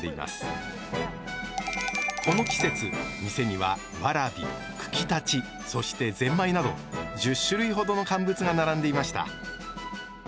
この季節店にはわらびくきたちそしてぜんまいなど１０種類ほどの乾物が並んでいました。